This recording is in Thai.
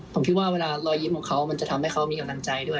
ผมคิดว่าเวลารอยยิ้มของเขามันจะทำให้เขามีกำลังใจด้วย